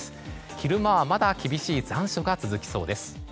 昼間はまだ厳しい残暑が続きそうです。